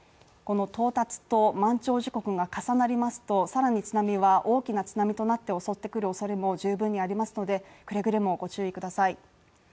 この到達と満潮時刻が重なりますとさらに津波は大きな津波となって襲ってくる恐れも十分にありますので、くれぐれもご注意ください。